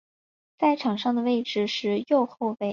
在场上的位置是右后卫。